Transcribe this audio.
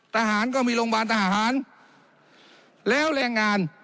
ทหารก็มีโรงพยาบาลทหารแล้วแรงงาน